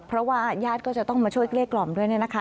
เพราะว่าญาติก็จะต้องมาช่วยเกลี้กล่อมด้วย